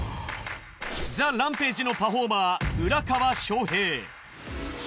ＴＨＥＲＡＭＰＡＧＥのパフォーマー浦川翔平。